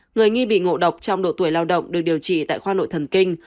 người nghi bị ngộ độc trong độ tuổi lao động được điều trị tại khoa nội thần kinh